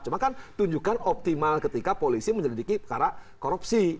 cuma kan tunjukkan optimal ketika polisi menyelidiki perkara korupsi